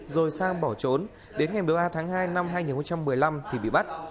rồi sang bỏ trốn đến ngày một mươi ba tháng hai năm hai nghìn một mươi năm thì bị bắt